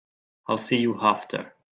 I'll see you after.